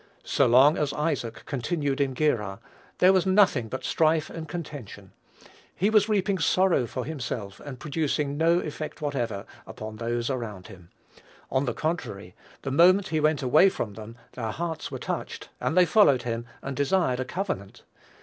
So long as Isaac continued in Gerar, there was nothing but strife and contention. He was reaping sorrow for himself, and producing no effect whatever upon those around him. On the contrary, the moment he went away from them, their hearts were touched, and they followed him, and desired a covenant.